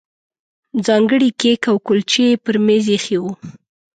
ځانګړي کیک او کولچې یې پر مېز ایښي وو.